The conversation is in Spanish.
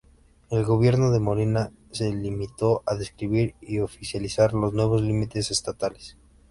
El gobierno de Molina se limitó a describir y oficializar los nuevos límites estatales.